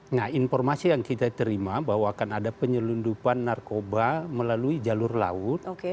nah informasi yang kita terima bahwa akan ada penyelundupan narkoba melalui jalur laut